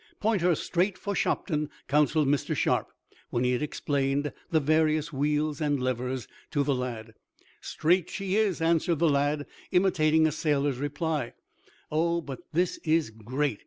"Point her straight for Shopton," counseled Mr. Sharp, when he had explained the various wheels and levers to the lad. "Straight she is," answered the lad, imitating a sailor's reply. "Oh, but this is great!